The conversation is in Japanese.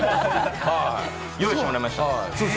用意してもらいました。